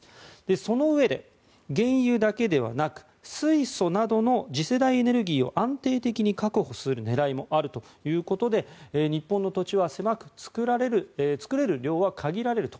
そのうえで、原油だけではなく水素などの次世代エネルギーを安定的に確保する狙いもあるということで日本の土地は狭く作れる量は限られると。